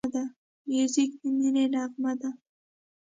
موزیک د مینې نغمه ده.